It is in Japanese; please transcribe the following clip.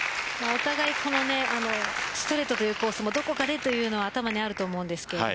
お互いストレートというコースもどこかでというのは頭にあると思います。